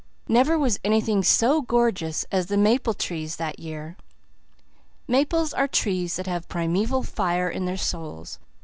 Never was anything so gorgeous as the maple trees that year. Maples are trees that have primeval fire in their souls.